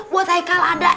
buat aikal ada